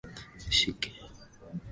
Nishike mkononi twende mbali